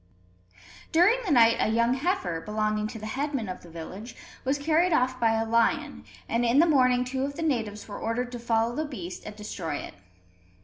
During the night a young heifer, belonging to the headman of the village, was carried off by a lion; and in the morning two of the natives were ordered to follow the beast and destroy it.